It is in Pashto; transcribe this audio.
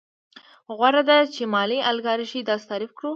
غوره ده چې مالي الیګارشي داسې تعریف کړو